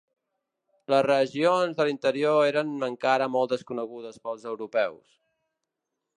Les regions de l'interior eren encara molt desconegudes pels europeus.